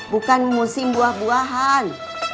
bukan musim buah buahan